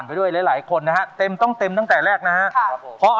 ช่วยฝังดินหรือกว่า